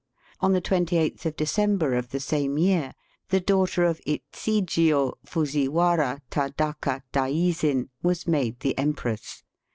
On the 28th of December of the same year, the daughter of Ichijio Fuziwara Tadaka daizin was made the empress.